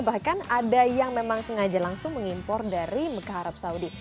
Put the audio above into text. bahkan ada yang memang sengaja langsung mengimpor dari mekah arab saudi